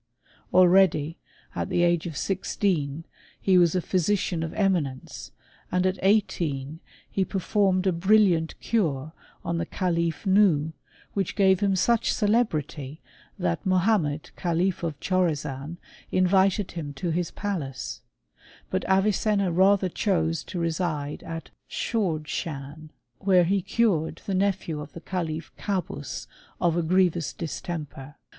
Already, at the age of sixteen, he was a physician of eminence ; and at eighteen he performed a brillia&IT cure on the calif Nuhh, which gave him such celebrity that Mohammed, Calif of Chorazan, invited him to his palace ; but Avicenna rather chose to reside at Dschordschan, where he cured the nephew of th6 calif Kabus of a grievous distemper.